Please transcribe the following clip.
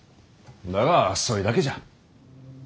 だがそいだけじゃ。